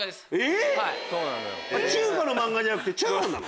中華の漫画じゃなくてチャーハンなの？